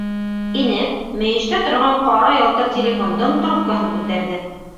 Инеп, мөйөштә торған ҡара ялтыр телефондың трубкаһын күтәрҙе.